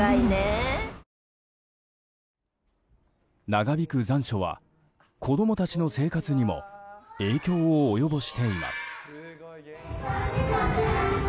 長引く残暑は子供たちの生活にも影響を及ぼしています。